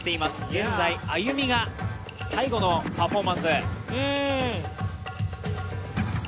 現在、Ａｙｕｍｉが最後のパフォーマンス。